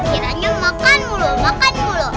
kiranya makan mulu makan mulu